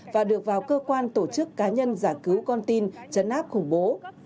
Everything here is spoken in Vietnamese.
và được vào cơ quan tổ chức cá nhân giải cứu con tin chấn áp khủng bố